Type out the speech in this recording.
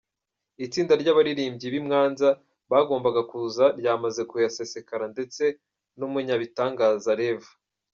Itsinda ry’abaririmbyi b’i Mwanza bagombaga kuzana ryamaze kuhasesekara ndetse n’umunyabitangaza Rev.